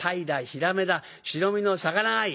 ヒラメだ白身の魚がいい。